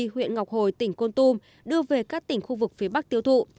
huyện ngọc hồi tỉnh côn tùm đưa về các tỉnh khu vực phía bắc tiêu thụ